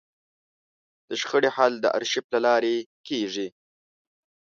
د شخړې حل د ارشیف له لارې کېږي.